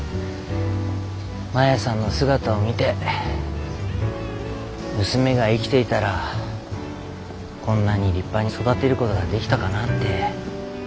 マヤさんの姿を見て娘が生きていたらこんなに立派に育てることができたかなって。